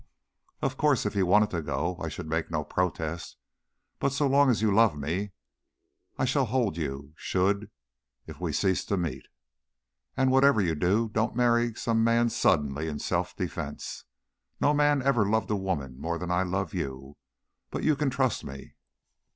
"Of course, if you wanted to go, I should make no protest. But so long as you love me I shall hold you should, if we ceased to meet. And whatever you do, don't marry some man suddenly in self defence. No man ever loved a woman more than I love you, but you can trust me."